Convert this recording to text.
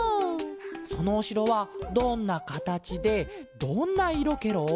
そのおしろはどんなかたちでどんないろケロ？